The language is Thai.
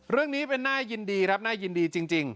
เรื่องนี้เป็นน่ายินดีครับน่ายินดีจริง